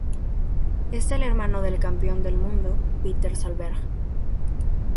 Es hermano del campeón del mundo Petter Solberg.